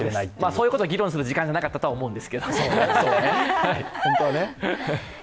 そういうことを議論する時間はなかったと思うんですけど。